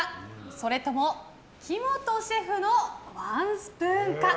それとも木本シェフのワンスプーンか。